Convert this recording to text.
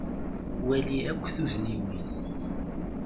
Wali akk tuzniwin.